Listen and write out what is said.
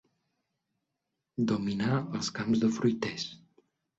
Dominar als camps de fruiters.